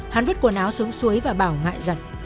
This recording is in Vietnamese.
hắn vứt quần áo xuống suối và bảo ngại giật